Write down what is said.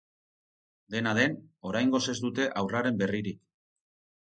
Dena den, oraingoz ez dute haurraren berririk.